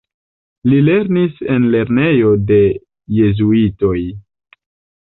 Li lernis en lernejo de jezuitoj.